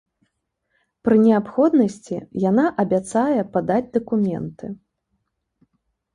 Пры неабходнасці яна абяцае падаць дакументы.